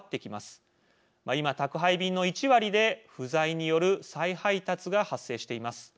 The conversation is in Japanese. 今宅配便の１割で不在による再配達が発生しています。